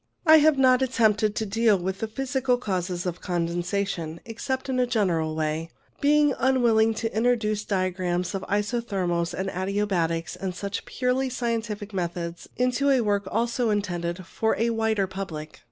I have not attempted to deal with the physical causes of condensation except in a general way, being unwilling to introduce diagrams of isothermals and adiabatics and such purely scientific methods into a work also intended for a wider public.